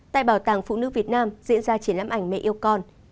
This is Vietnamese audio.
tại bảo tàng phụ nữ việt nam diễn ra triển lãm ảnh mẹ yêu con